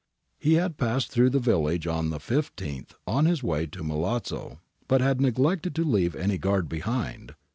He had passed through the village on the 15th on his way to Milazzo, but had neglected to leave any guard behind.